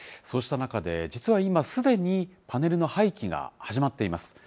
そうした中で、実は今、すでにパネルの廃棄が始まっています。